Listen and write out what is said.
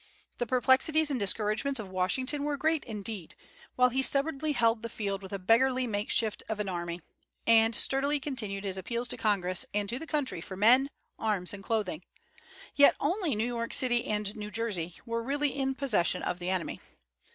The perplexities and discouragements of Washington were great indeed, while he stubbornly held the field with a beggarly makeshift for an army and sturdily continued his appeals to Congress and to the country for men, arms, and clothing; yet only New York City and New Jersey were really in the possession of the enemy.